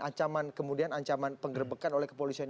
ancaman kemudian ancaman penggerbekan oleh kepolisian